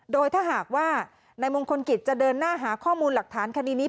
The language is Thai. โดยถ้าหากว่านายมงคลกิจจะเดินหน้าหาข้อมูลหลักฐานคดีนี้